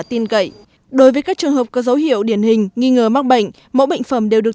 tin cậy đối với các trường hợp có dấu hiệu điển hình nghi ngờ mắc bệnh mẫu bệnh phẩm đều được